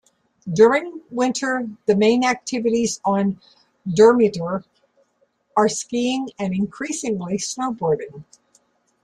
During winter, the main activities on Durmitor are skiing and, increasingly, snowboarding.